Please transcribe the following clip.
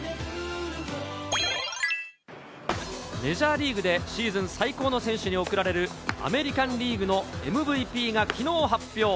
メジャーリーグでシーズン最高の選手に贈られるアメリカンリーグのＭＶＰがきのう発表。